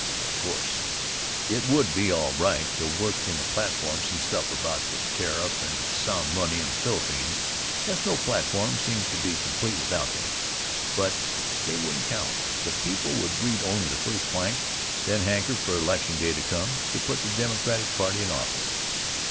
Of course, it would be all right to work in the platform some stuff about the tariff and sound money and the Philippines, as no platform seems to be complete without them, but they wouldn't count. The people would read only the first plank and then hanker for election day to come to put the Democratic party in office.